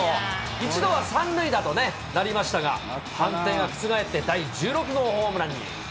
一度は３塁打となりましたが、判定が覆って第１６号ホームランに。